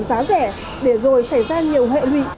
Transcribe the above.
giá rẻ để rồi phải gian nhiều hệ lụy